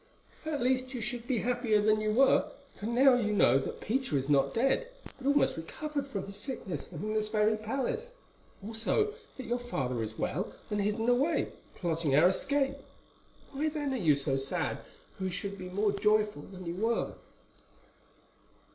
"At least you should be happier than you were, for now you know that Peter is not dead, but almost recovered from his sickness and in this very palace; also, that your father is well and hidden away, plotting for our escape. Why, then, are you so sad, who should be more joyful than you were?"